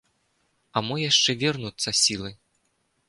А мо яшчэ вернуцца сілы?